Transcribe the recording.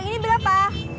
mas yang ini berapa